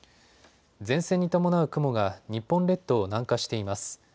前線に伴う雲が日本列島を南下しています。